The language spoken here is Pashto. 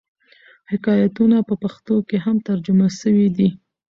حکایتونه په پښتو کښي هم ترجمه سوي دي.